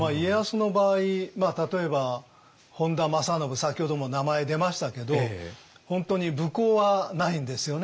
先ほども名前出ましたけど本当に武功はないんですよね。